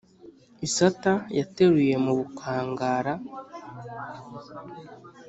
isata yateruye mu bukangara